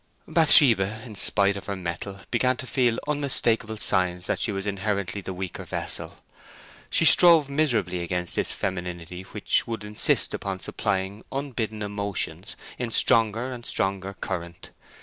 Bathsheba, in spite of her mettle, began to feel unmistakable signs that she was inherently the weaker vessel. She strove miserably against this femininity which would insist upon supplying unbidden emotions in stronger and stronger current.